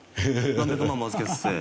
何百万も預けてて。